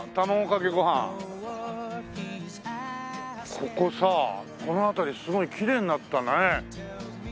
ここさあこの辺りすごいきれいになったね。